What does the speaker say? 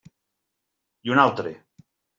I un altre.